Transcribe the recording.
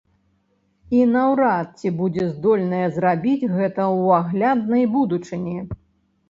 І наўрад ці будзе здольная зрабіць гэта ў агляднай будучыні.